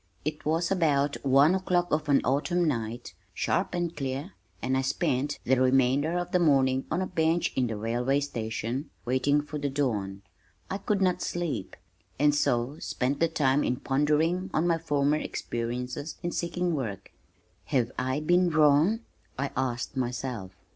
It was about one o'clock of an autumn night, sharp and clear, and I spent the remainder of the morning on a bench in the railway station, waiting for the dawn. I could not sleep, and so spent the time in pondering on my former experiences in seeking work. "Have I been wrong?" I asked myself.